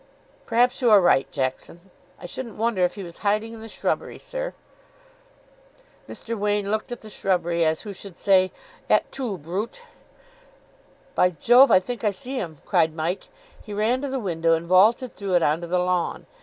"Perhaps you are right, Jackson." "I shouldn't wonder if he was hiding in the shrubbery, sir." Mr. Wain looked at the shrubbery, as who should say, "Et tu, Brute!" "By Jove! I think I see him," cried Mike. He ran to the window, and vaulted through it on to the lawn.